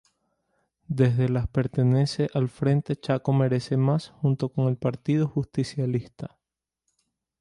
Desde las pertenece al Frente Chaco Merece Más junto con el Partido Justicialista.